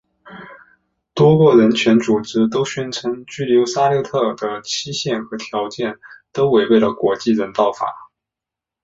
多个人权组织都宣称拘留沙利特的期限和条件都违背了国际人道法。